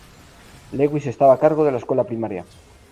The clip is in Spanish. Lewis estaba a cargo de la Escuela Primaria.